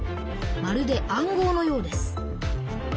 まるで暗号のようです。